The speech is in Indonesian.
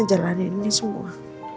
jalanin ini semua